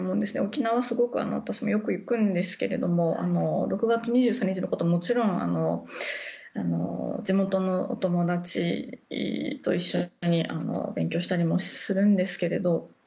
沖縄はすごく私もよく行くんですけども６月２３日のことはもちろん地元のお友達と一緒に勉強したりもするんですけど